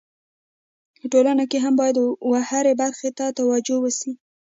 ټولنه کي هم باید و هري برخي ته توجو وسي.